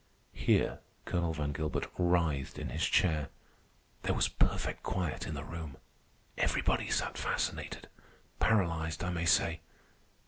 Here Colonel Van Gilbert writhed in his chair. There was perfect quiet in the room. Everybody sat fascinated—paralyzed, I may say.